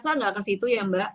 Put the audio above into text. saya rasa gak kesitu ya mbak